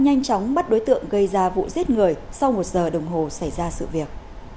nhanh chóng bắt đối tượng gây ra vụ giết người sau một giờ đồng hồ xảy ra sự việc